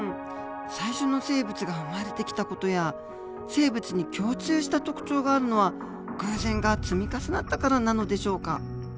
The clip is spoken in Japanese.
最初の生物が生まれてきた事や生物に共通した特徴があるのは偶然が積み重なったからなのでしょうか。